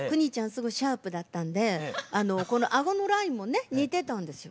すごいシャープだったんでこの顎のラインもね似てたんですよ。